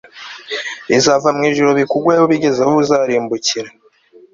bizava mu ijuru bikugweho bigeze aho uzarimbukira